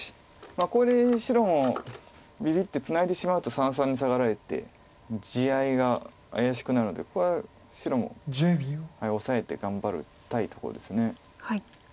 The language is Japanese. ここで白もびびってツナいでしまうと三々にサガられて地合いが怪しくなるのでここは白もオサえて頑張りたいとこです。